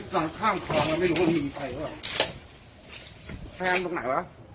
หลังข้ามคอมตรงนี้ไม่รู้ว่ามีใครแพงตรงไหนวะ